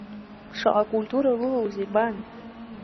Шаҟа акультура лылоузеи бан.